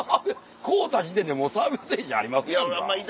買うた時点でもうサービス精神ありますやんか。